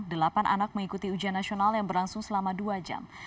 delapan anak mengikuti ujian nasional yang berlangsung selama dua jam